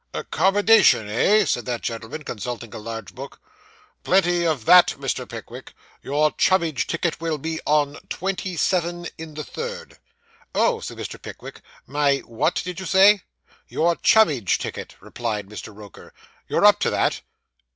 'Accommodation, eh?' said that gentleman, consulting a large book. 'Plenty of that, Mr. Pickwick. Your chummage ticket will be on twenty seven, in the third.' 'Oh,' said Mr. Pickwick. 'My what, did you say?' 'Your chummage ticket,' replied Mr. Roker; 'you're up to that?